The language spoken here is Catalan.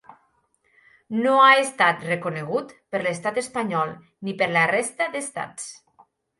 No ha estat reconegut per l’estat espanyol ni per la resta d’estats.